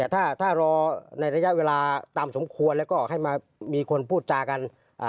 ถ้ารอในระยะเวลาตามสมควรแล้วก็ให้มามีคนพูดจากัน